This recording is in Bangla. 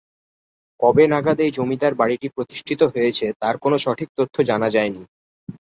কবে নাগাদ এই জমিদার বাড়িটি প্রতিষ্ঠিত হয়েছে তার কোনো সঠিক তথ্য জানা যায়নি।